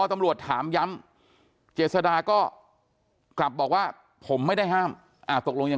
ตำรวจถามย้ำเจษดาก็กลับบอกว่าผมไม่ได้ห้ามตกลงยัง